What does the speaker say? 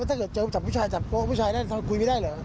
ถ้าเกิดเจอจับผู้ชายจับโป๊ะผู้ชายนั่นคุยไม่ได้เหรอ